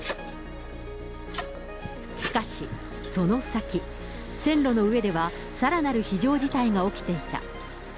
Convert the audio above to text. しかし、その先、線路の上では、さらなる非常事態が起きていた。